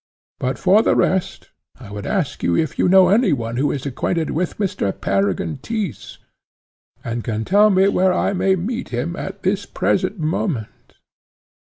But for the rest, I would ask you if you know any one who is acquainted with Mr. Peregrine Tyss, and can tell me where I may meet him at this present moment?"